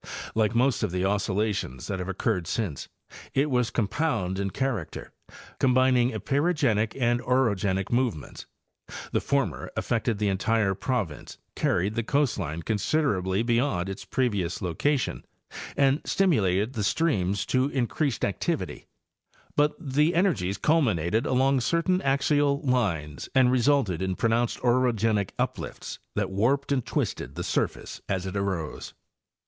Like most of the oscillations that _ have occurred since, it was compound in character, combining epeirogenic and orogenic movements; the former affected the entire province, carried the coast line considerably beyond its previous location and stimulated the streams to increased ac tivity ; but the energies culminated along certain axial lines and resulted in pronounced orogenic uplifts that warped and twisted the surface as it arose.